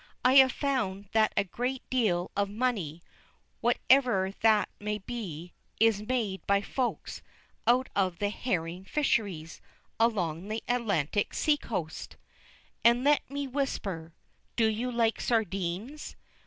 I have found that a great deal of "money," whatever that may be, is made by Folks out of the herring fisheries, along the Atlantic seacoast. And let me whisper: Do you like sardines?